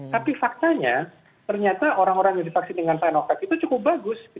tapi faktanya ternyata orang orang yang divaksin dengan sinovac itu cukup bagus